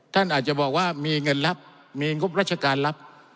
ท่านอาจจะบอกว่ามีเงินรับมีงบราชการรับ